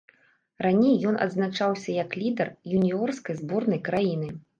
Раней ён адзначаўся як лідар юніёрскай зборнай краіны.